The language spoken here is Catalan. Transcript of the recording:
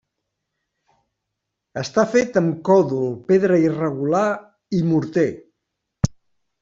Està fet amb còdol, pedra irregular i morter.